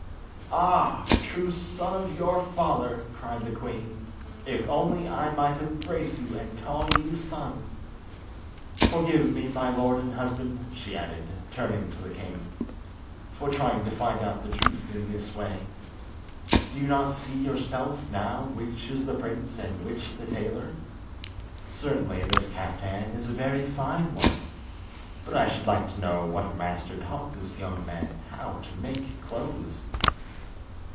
"Ah, true son of your father," cried the queen; "if only I might embrace you and call you son! Forgive me, my lord and husband," she added, turning to the king, "for trying to find out the truth in this way. Do you not see yourself now which is the prince and which the tailor? Certainly this kaftan is a very fine one, but I should like to know what master taught this young man how to make clothes."